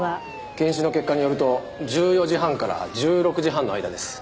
検視の結果によると１４時半から１６時半の間です。